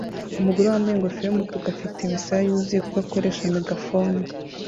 Umugore wambaye ingofero yumutuku afite imisaya yuzuye kuko akoresha megafone